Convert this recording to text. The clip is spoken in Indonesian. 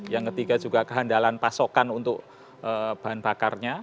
yang ketiga juga kehandalan pasokan untuk bahan bakarnya